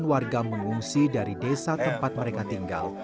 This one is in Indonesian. warga mengungsi dari desa tempat mereka tinggal